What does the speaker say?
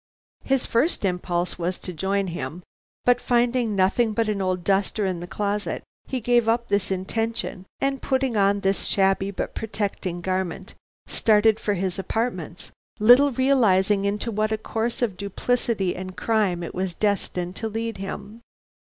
"His first impulse was to join him, but finding nothing but an old duster in the closet, he gave up this intention, and putting on this shabby but protecting garment, started for his apartments, little realizing into what a course of duplicity and crime it was destined to lead him.